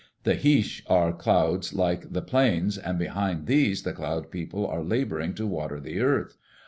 The Heash are clouds like the plains and behind these the Cloud People are laboring to water the earth.